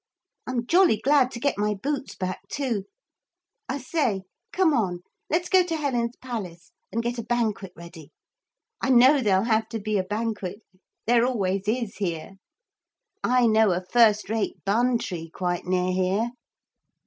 I'm jolly glad to get my boots back too. I say, come on. Let's go to Helen's palace and get a banquet ready. I know there'll have to be a banquet. There always is, here. I know a first rate bun tree quite near here.'